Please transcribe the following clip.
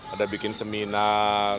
ada bikin seminar